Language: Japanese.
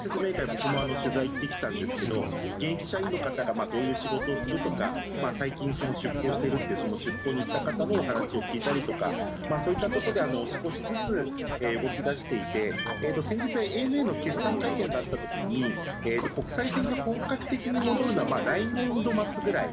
僕も取材に行ってきたんですが現役社員の方がどういう仕事をするとか最近出向しているという出向に行った方のお話を聞いたりとかそういったところで少しずつ動き出していて先日、ＡＮＡの決算会見があった時、国際線が本格的に戻るのは来年度末ぐらい。